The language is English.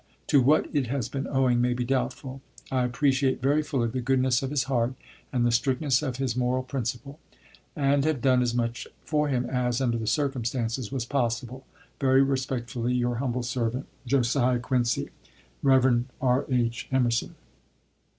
To what it has been owing may be doubtful. I appreciate very fully the goodness of his heart and the strictness of his moral principle; and have done as much for him as, under the circumstances, was possible. "Very respectfully, your humble servant, "JOSIAH QUINCY. "Rev. R. W. EMERSON."